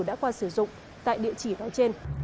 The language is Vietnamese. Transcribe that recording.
đã qua sử dụng tại địa chỉ phòng trên